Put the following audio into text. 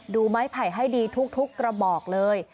ดูไม้ไผ่ให้ดีทุกกระบอกเลย